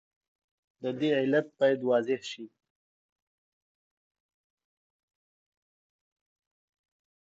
د دې علت باید توضیح شي.